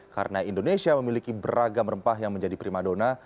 karena indonesia memiliki beragam rempah yang menjadi primadona